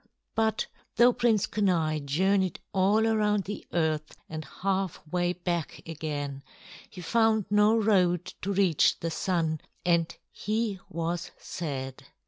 But though Prince Kenai journeyed all around the earth and halfway back again, he found no road to reach the Sun, and he was sad.